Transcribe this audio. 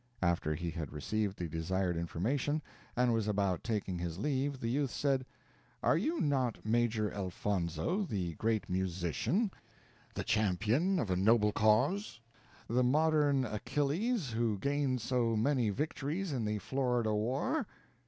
After he had received the desired information, and was about taking his leave, the youth said, "Are you not Major Elfonzo, the great musician the champion of a noble cause the modern Achilles, who gained so many victories in the Florida War?"